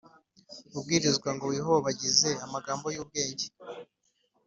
ubwirizwa Ngo wiyobagize amagambo y ubwenge